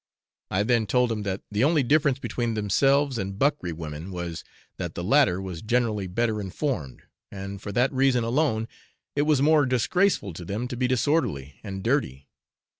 I then told them that the only difference between themselves and buckree women was, that the latter were generally better informed, and, for that reason alone, it was more disgraceful to them to be disorderly and dirty.